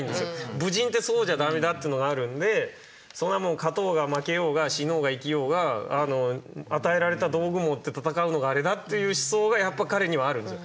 武人ってそうじゃ駄目だっていうのがあるんでそれはもう勝とうが負けようが死のうが生きようが与えられた道具を持って戦うのがあれだっていう思想が彼にはあるんですよ。